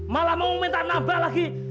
malah mau minta naba lagi